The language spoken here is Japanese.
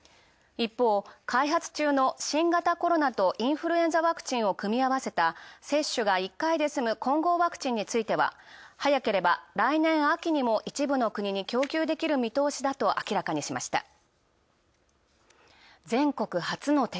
一方、開発新型コロナとインフルエンザワクチンを組み合わせた接種が１回で済む混合ワクチンについては、早ければ、来年秋にも一部の国に供給できる見通しだと明らかにしました。